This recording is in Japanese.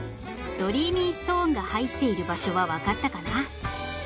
ドリーミーストーンが入っている場所はわかったかな？